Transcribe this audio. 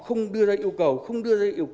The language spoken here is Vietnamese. không đưa ra yêu cầu không đưa ra